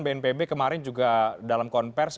bnpb kemarin juga dalam konversi